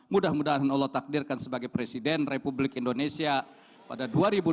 mudah mudahan allah takdirkan sebagai presiden republik indonesia pada dua ribu dua puluh